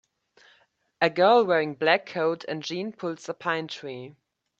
A girl wearing black coat and jean pulls a pine tree.